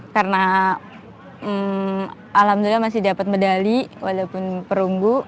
karena alhamdulillah masih dapat medali walaupun perunggu